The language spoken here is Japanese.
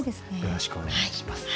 よろしくお願いします。